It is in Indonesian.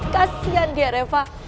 kasian dia reva